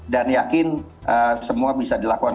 dan yakin semua bisa dilakukan